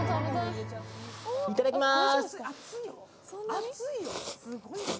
いただきまーす。